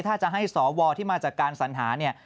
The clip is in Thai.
ถ้าจะให้สวที่มาจากการสัญหาเนี่ย